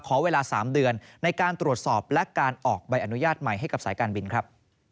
ขอเวลา๓เดือนในการตรวจสอบและการออกใบอนุญาตใหม่ให้กับสายการบินครับ